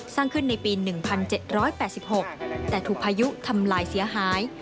สร้างขึ้นในปี๑๗๘๖แต่ถูกพายุทำลายเสียหาย